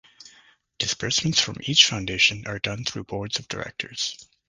Disbursements from each foundation are done through boards of directors.